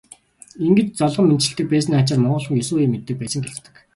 Ингэж золгон мэндчилдэг байсны ачаар монгол хүн есөн үеэ мэддэг байсан гэлцдэг.